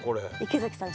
池崎さん